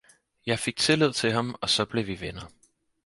Jeg fik tillid til ham og saa bleve vi venner